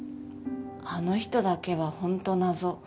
あの人だけはほんと謎。